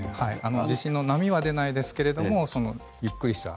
地震の波は出ないんですがゆっくりした。